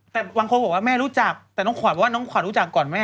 แต่บางคนบอกว่าแม่รู้จักแต่น้องขวัญว่าน้องขวัญรู้จักก่อนแม่